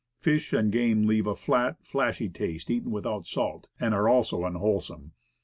Fish and game have a flat, flashy taste eaten without salt, and are also unwholesome.